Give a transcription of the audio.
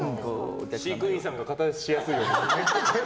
飼育員さんが片付けしやすいようにね。